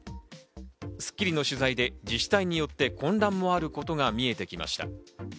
『スッキリ』の取材で自治体によって混乱もあることが見えてきました。